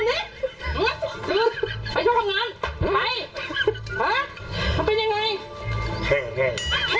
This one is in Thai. ตอนนี้กลับเลยเพราะทำงานกันเถอะน่ะเพราะทำงานกันเถอะน่ะ